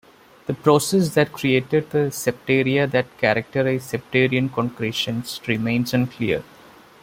The process that created the septaria that characterize septarian concretions remains unclear.